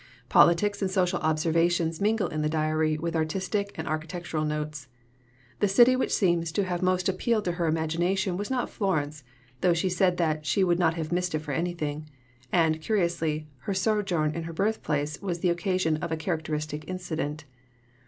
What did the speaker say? Politics and social observations mingle in the diary with artistic and architectural notes. The city which seems most to have appealed to her imagination was not Florence; though she said that she "would not have missed it for anything," and, curiously, her sojourn in her birthplace was the occasion of a characteristic incident.